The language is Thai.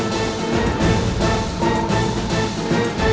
จะตกเป็นของทีมไหน